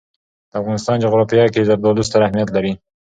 د افغانستان جغرافیه کې زردالو ستر اهمیت لري.